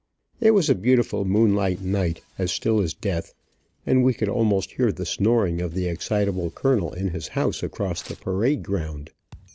It was a beautiful moonlight night, as still as death, and we could almost hear the snoring of the excitable colonel in his house across the parade ground.